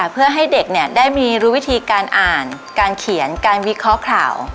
เพื่อให้เด็กได้มีรู้วิธีการอ่านการเขียนการวิเคราะห์ข่าว